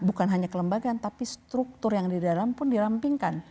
bukan hanya kelembagaan tapi struktur yang di dalam pun dirampingkan